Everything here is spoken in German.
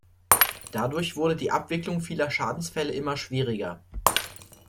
Dadurch wurde die Abwicklung vieler Schadensfälle immer schwieriger.